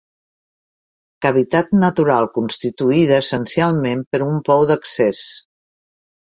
Cavitat natural constituïda essencialment per un pou d'accés.